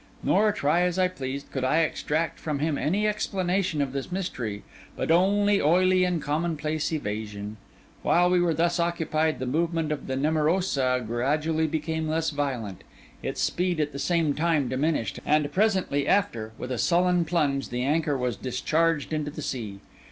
Nor, try as I pleased, could I extract from him any explanation of this mystery, but only oily and commonplace evasion. While we were thus occupied, the movement of the Nemorosa gradually became less violent; its speed at the same time diminished; and presently after, with a sullen plunge, the anchor was discharged into the sea.